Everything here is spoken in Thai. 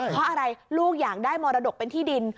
เพราะอะไรลูกอยากได้มรดกเป็นที่ดิน